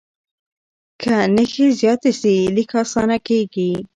که نښې زیاتې سي، لیک اسانه کېږي.